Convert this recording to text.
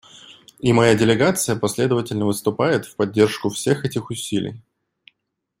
И моя делегация последовательно выступает в поддержку всех этих усилий.